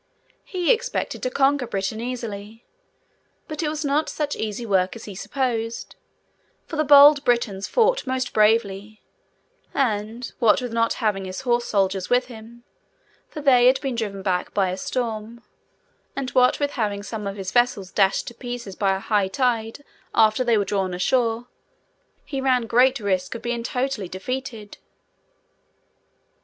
He expected to conquer Britain easily: but it was not such easy work as he supposed—for the bold Britons fought most bravely; and, what with not having his horse soldiers with him (for they had been driven back by a storm), and what with having some of his vessels dashed to pieces by a high tide after they were drawn ashore, he ran great risk of being totally defeated.